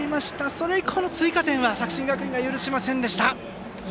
それ以降の追加点は作新学院が許しませんでした。